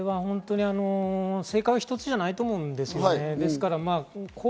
正解は一つじゃないと思うんですよね。